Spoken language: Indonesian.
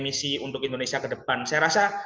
misi untuk indonesia kedepan saya rasa